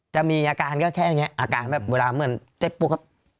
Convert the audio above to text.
จะมีอาการก็แค่นี้อาการแบบเวลาเหมือนเจ็บปุ๊บครับ